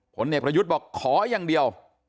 คนเอ็ดประยุทธ์บอกขอยังเดียว